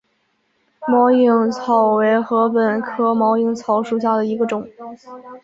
毛颖草为禾本科毛颖草属下的一个种。